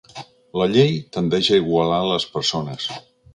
La llei tendeix a igualar les persones.